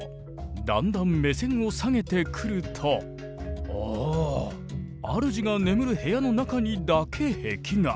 だんだん目線を下げてくるとおお主が眠る部屋の中にだけ壁画。